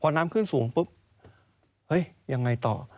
พอน้ำขึ้นสูงปุ๊บยังไงต่อ